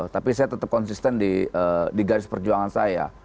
tapi saya tetap konsisten di garis perjuangan saya